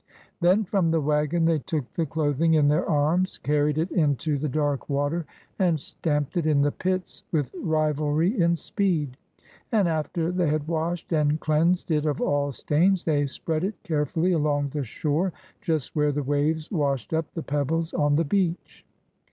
Then from the wagon they took the cloth ing in their arms, carried it into the dark water, and stamped it in the pits with rivalry in speed. And after they had washed and cleansed it of all stains, they spread it carefully along the shore, just where the waves washed up the pebbles on the beach.